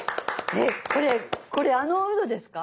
えっこれこれあのウドですか？